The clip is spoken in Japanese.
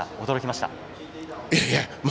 驚きました。